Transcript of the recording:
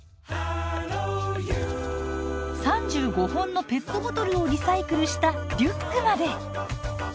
３５本のペットボトルをリサイクルしたリュックまで。